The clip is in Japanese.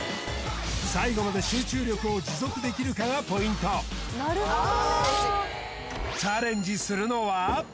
最後まで集中力を持続できるかがポイントお願いします